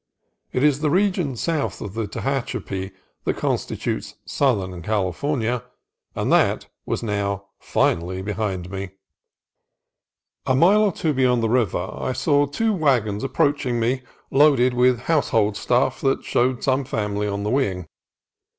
It is the region south of the Tehachapi that constitutes southern California, and that was now finally behind me. A mile or two beyond the river I saw two wagons approaching me, loaded with household stuff that showed some family on the wing.